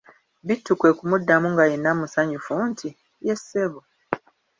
Bittu kwe kumuddamu nga yenna musanyufu nti:"ye ssebo"